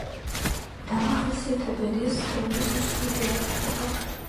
დამახასიათებელია სხეულის მსხვილი აღნაგობა.